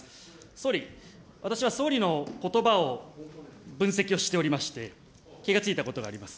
総理、私は総理のことばを分析をしておりまして、気が付いたことがあります。